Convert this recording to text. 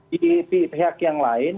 di pihak yang lain